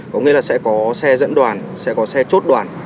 có nghĩa là sẽ có xe dẫn đoàn sẽ có xe chốt đoàn